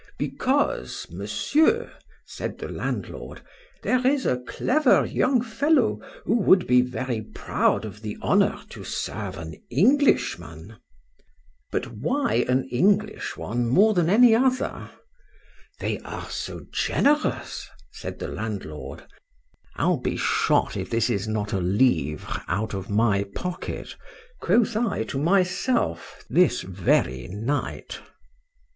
—Because, Monsieur, said the landlord, there is a clever young fellow, who would be very proud of the honour to serve an Englishman.—But why an English one, more than any other?—They are so generous, said the landlord.—I'll be shot if this is not a livre out of my pocket, quoth I to myself, this very night.